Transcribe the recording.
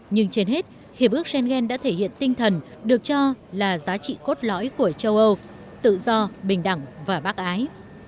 nhưng trên hết hiệp ước schengen đã thể hiện tinh thần được cho là giá trị cốt lõi của châu âu tự do bình đẳng và bác ái